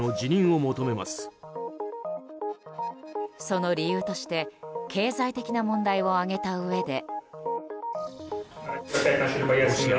その理由として経済的な問題を挙げたうえで。